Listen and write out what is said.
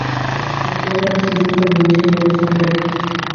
Tras la guerra civil, permaneció en el extranjero.